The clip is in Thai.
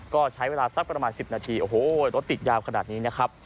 ก็ใช้เวลาสักประมาณ๑๐นาทีโอ้โหรถติดยาวขนาดนี้นะครับ